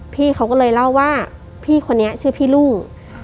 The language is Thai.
พี่เขาก็เลยเล่าว่าพี่คนนี้ชื่อพี่รุ่ง